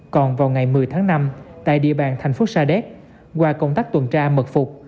còn vào ngày một mươi tháng năm tại địa bàn thành phố sa đéc qua công tác tuần tra mật phục